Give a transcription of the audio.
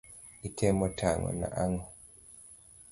Itemo tang'o na ang'o?